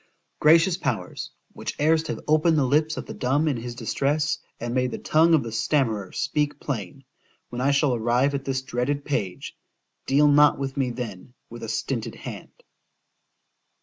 ——Gracious powers! which erst have opened the lips of the dumb in his distress, and made the tongue of the stammerer speak plain—when I shall arrive at this dreaded page, deal not with me, then, with a stinted hand.